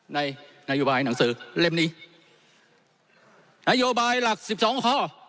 ในนโยบายหนังสือเล่มนี้นโยบายหลักสิบสองข้อ